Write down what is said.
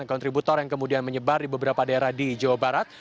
kontributor yang kemudian menyebar di beberapa daerah di jawa barat